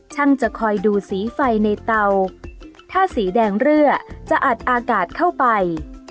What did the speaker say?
จะคอยดูสีไฟในเตาถ้าสีแดงเรือจะอัดอากาศเข้าไป